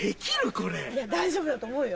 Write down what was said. これ・いや大丈夫だと思うよ